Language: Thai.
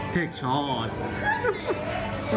เก็บเป็นซูซ